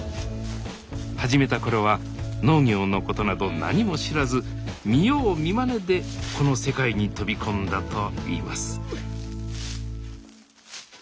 始めたころは農業のことなど何も知らず見よう見まねでこの世界に飛び込んだといいます